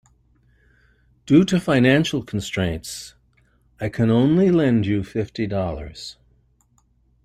Due to financial constraints I can only lend you fifty dollars.